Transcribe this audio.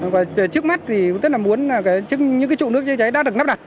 và về trước mắt thì tức là muốn những cái trụ nước chữa cháy đã được lắp đặt